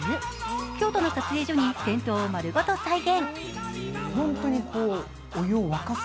京都の撮影所に銭湯を丸ごと再現。